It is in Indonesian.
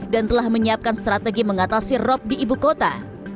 dan telah menyiapkan strategi mengatasi rob di ibu kota